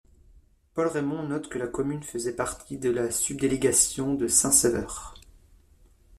Paul Raymond note que la commune faisait partie de la subdélégation de Saint-Sever.